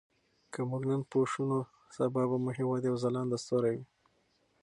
که موږ نن پوه شو نو سبا به مو هېواد یو ځلانده ستوری وي.